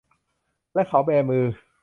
และเขาแบมือ